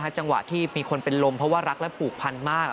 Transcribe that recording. จังหวะที่มีคนเป็นลมเพราะว่ารักและผูกพันมาก